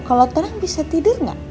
kalau terang bisa tidur nggak